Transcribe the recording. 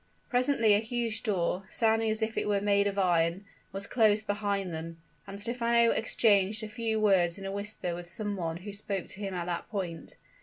Presently a huge door, sounding as if it were made of iron, was closed behind them, and Stephano exchanged a few words in a whisper with some one who spoke to him at that point.